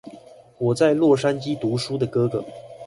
我在洛杉磯讀書的哥哥